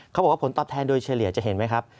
เขาบอกว่าผลตอบแทนโดยเฉลี่ยจะเห็นไหมครับ